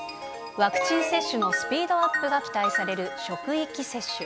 ワクチン接種のスピードアップが期待される職域接種。